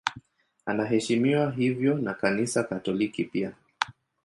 Anaheshimiwa hivyo na Kanisa Katoliki pia.